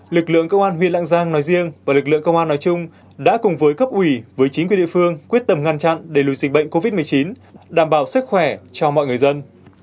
lực lượng công an huyện lạng giang nói riêng và lực lượng công an nói chung đã cùng với cấp ủy với chính quyền địa phương quyết tâm ngăn chặn đẩy lùi dịch bệnh covid một mươi chín đảm bảo sức khỏe cho mọi người dân